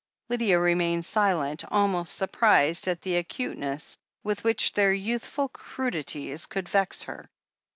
Lydia remained silent, almost surprised at the acute ness with which their youthful crudities could vex her.